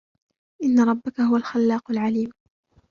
إِنَّ رَبَّكَ هُوَ الْخَلَّاقُ الْعَلِيمُ